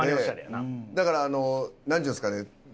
だからなんていうんですかね？